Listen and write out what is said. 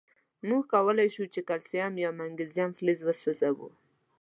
مونږ کولای شو چې کلسیم یا مګنیزیم فلز وسوځوو.